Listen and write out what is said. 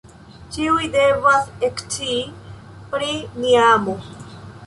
Ĉiuj devas ekscii pri nia amo.